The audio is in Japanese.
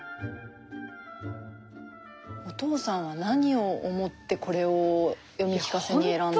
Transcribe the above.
お父さんは何を思ってこれを読み聞かせに選んだ？